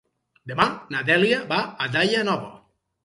Demà na Dèlia va a Daia Nova.